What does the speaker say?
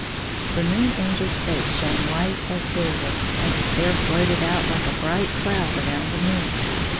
The 3+ Moon Angel's face shone as white as silver, and his hair floated out like a bright cloud around the moon.